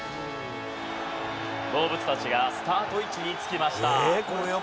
動物たちがスタート位置につきました。